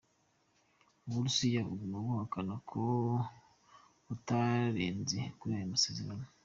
Uburusiya buguma buhakana ko butarenze kuri ayo masezerano.